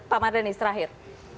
pak mardeni terakhir